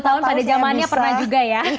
dua puluh tahun pada zamannya pernah juga ya